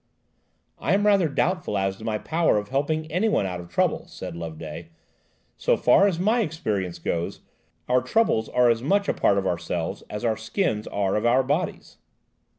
"I am rather doubtful as to my power of helping anyone out of trouble," said Loveday; "so far as my experience goes, our troubles are as much a part of ourselves as our skins are of our bodies."